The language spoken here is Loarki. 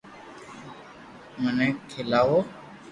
منو کيلاوُ